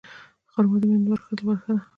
خرما د امیندوارو ښځو لپاره ښه ده.